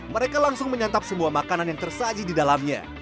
mereka langsung menyantap semua makanan yang tersaji di dalamnya